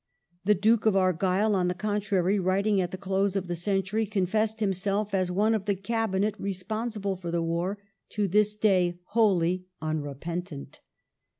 The Duke of Ai'gyll, on the contrary, writing at the close of the century, con fessed himself as one of the Cabmet i esponsible for the war " to this day wholly unrepentant".